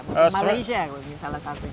malaysia mungkin salah satunya